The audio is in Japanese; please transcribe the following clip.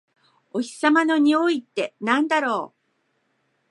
お日様のにおいってなんだろう？